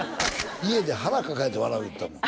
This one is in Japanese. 家で腹抱えて笑ういうてたもん